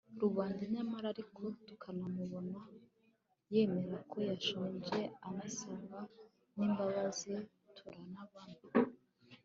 rubanda. nyamara ariko tukanamubona yemera ko yakosheje anasaba n'imbabazi. turanabona